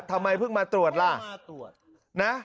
ทำไมเพิ่งมาตรวจล่ะนะ